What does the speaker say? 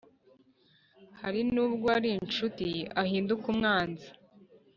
Hari n’ubwo uwari incuti ahinduka umwanzi,